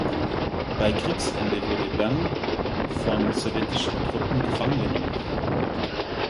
Bei Kriegsende wurde Bang von sowjetischen Truppen gefangen genommen.